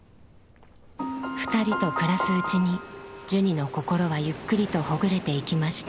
２人と暮らすうちにジュニの心はゆっくりとほぐれていきました。